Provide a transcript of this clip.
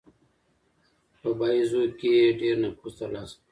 په باییزو کې یې ډېر نفوذ ترلاسه کړ.